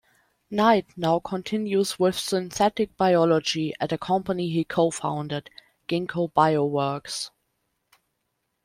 Knight now continues with Synthetic Biology at a company he co-founded, Ginkgo Bioworks.